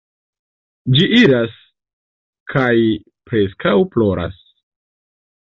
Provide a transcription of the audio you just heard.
Ĝi iras kaj preskaŭ ploras.